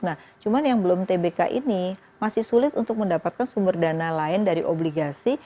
nah cuman yang belum tbk ini masih sulit untuk mendapatkan sumber dana lain dari obligasi